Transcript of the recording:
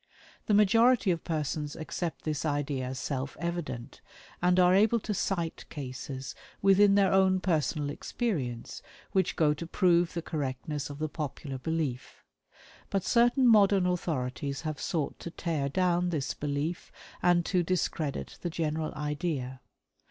The majority of persons accept this idea as self evident, and are able to cite cases within their own personal experience which go to prove the correctness of the popular belief. But certain modern authorities have sought to tear down this belief, and to discredit the general idea.